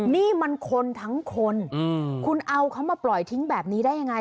นี่มันคนทั้งคนคุณเอาเขามาปล่อยทิ้งแบบนี้ได้ยังไง